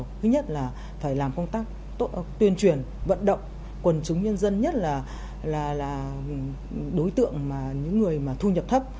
thứ nhất là phải làm công tác tuyên truyền vận động quần chúng nhân dân nhất là đối tượng mà những người mà thu nhập thấp